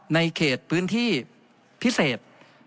ในเขตพื้นที่พิเศษ